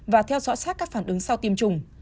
và theo dõi sát các phản ứng sau tiêm chủng